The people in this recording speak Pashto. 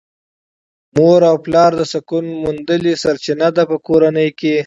مور او پلار د سکون موندلې سرچينه ده په کورنۍ کې .